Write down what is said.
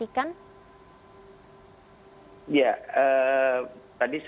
apakah kemudian ada waktu waktu atau waktu tertentu begitu yang harus dilakukan